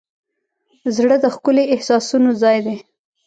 زړه د ښکلي احساسونو ځای دی.